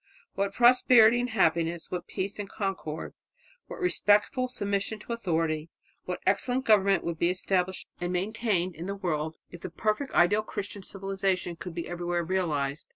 "What prosperity and happiness, what peace and concord, what respectful submission to authority, what excellent government would be established and maintained in the world if the perfect ideal of Christian civilization could be everywhere realized.